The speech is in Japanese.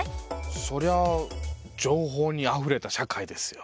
そりゃあ情報にあふれた社会ですよ。